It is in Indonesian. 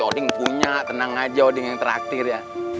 odin punya tenang aja odin yang traktir ya